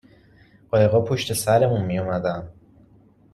قایقها پشت سرمون میاومدن